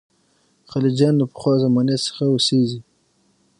خلجیان له پخوا زمانې څخه اوسېږي.